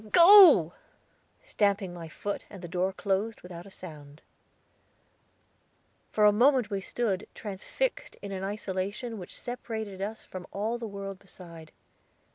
go!" stamping my foot, and the door closed without a sound. For a moment we stood, transfixed in an isolation which separated us from all the world beside.